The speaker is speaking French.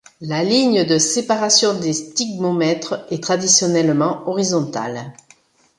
La ligne de séparation des stigmomètres est traditionnellement horizontale.